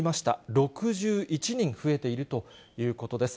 ６１人増えているということです。